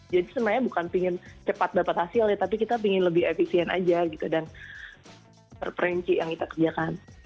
jadi sebenarnya bukan pengen cepat dapat hasil ya tapi kita pengen lebih efisien aja gitu dan terperinci yang kita kerjakan